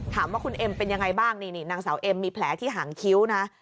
ถามว่าคุณเอ็มเป็นยังไงบ้างนี่นางสาวเอ็มมีแผลที่หางคิ้วนะ